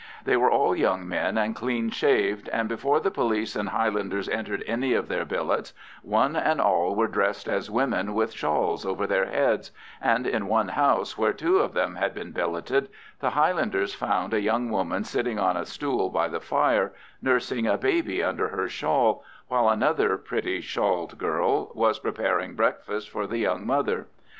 They were all young men and clean shaved, and before the police and Highlanders entered any of their billets, one and all were dressed as women with shawls over their heads; and in one house, where two of them had been billeted, the Highlanders found a young woman sitting on a stool by the fire, nursing a baby under her shawl, while another pretty shawled girl was preparing breakfast for the young mother.